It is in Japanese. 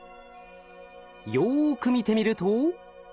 よく見てみると。